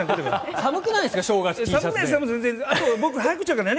寒くないですか正月に。